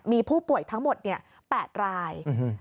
มีผู้ป่วยทั้งหมด๘ราย